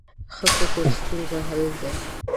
ښه فکر د ستونزو حل دی.